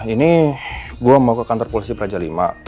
ini gue mau ke kantor polisi peraca lima